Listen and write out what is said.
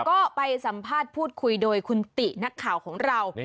ก็ไปสัมภาษณ์พูดคุยโดยคุณตินักข่าวของเรา